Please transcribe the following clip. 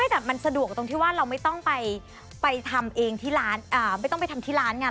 แต่มันสะดวกตรงที่ว่าเราไม่ต้องไปทำเองที่ร้านไม่ต้องไปทำที่ร้านไง